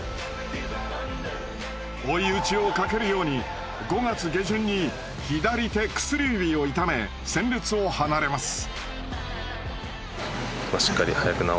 追い打ちをかけるように５月下旬に左手薬指を痛め戦列を離れます。